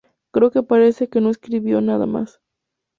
Creo que parece que no escribo nada más.